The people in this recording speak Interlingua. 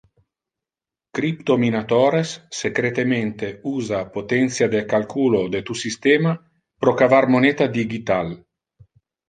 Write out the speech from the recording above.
Cryptominatores secretemente usa potentia de calculo de tu systema pro cavar moneta digital.